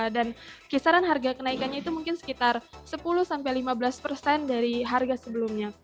dan kisaran harga kenaikannya itu mungkin sekitar sepuluh sampai lima belas persen dari harga sebelumnya